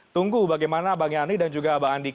tunggu bagaimana abang yani dan juga abang andi